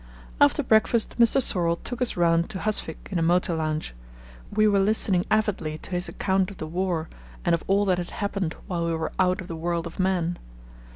After breakfast Mr. Sorlle took us round to Husvik in a motor launch. We were listening avidly to his account of the war and of all that had happened while we were out of the world of men.